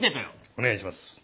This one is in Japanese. お願いします。